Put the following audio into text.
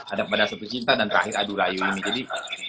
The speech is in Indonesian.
ada pada satu cinta dan terakhir adu rayu ini jadi